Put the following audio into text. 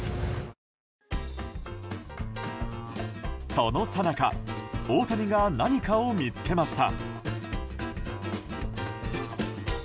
そのさなか大谷が何かを見つけました。